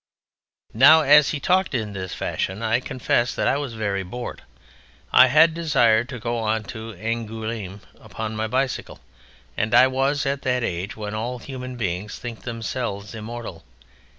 Now as he talked in this fashion I confess that I was very bored. I had desired to go on to Angouléme upon my bicycle, and I was at that age when all human beings think themselves immortal.